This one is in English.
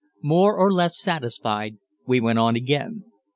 More or less satisfied, we went on again.